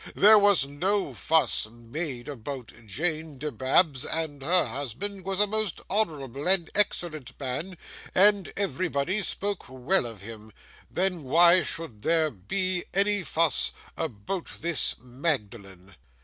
There was no fuss made about Jane Dibabs, and her husband was a most honourable and excellent man, and everybody spoke well of him. Then why should there by any fuss about this Magdalen?